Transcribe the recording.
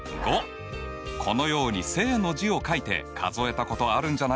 このように「正」の字を書いて数えたことあるんじゃないかな？